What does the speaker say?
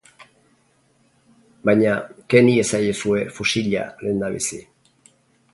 Baina ken iezaiozue fusila lehendabizi.